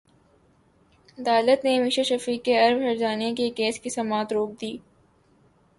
عدالت نے میشا شفیع کے ارب ہرجانے کے کیس کی سماعت روک دی